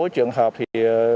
trường hợp thì